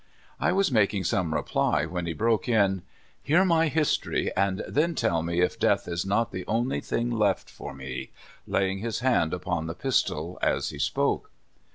I was making some reply, when he broke in, " Hear my history, and then tell me if death is not the only thing left for me," laying his hand upon the pistol as he spoke.